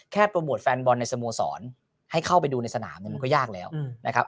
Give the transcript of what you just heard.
โปรโมทแฟนบอลในสโมสรให้เข้าไปดูในสนามเนี่ยมันก็ยากแล้วนะครับ